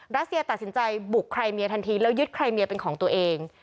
รัสเซียตัดสินใจบุกใครเมียทันทีแล้วยึดใครเมียเป็นของตัวเอง